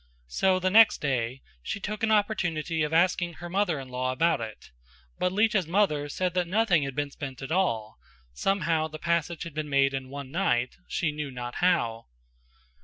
So the next day she took an opportunity of asking her mother in law about it, but Lita's mother said that nothing had been spent at all; somehow the passage had been made in one night, she knew not how.